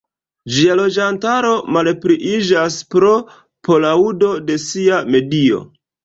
Ĝia loĝantaro malpliiĝas pro poluado de sia medio.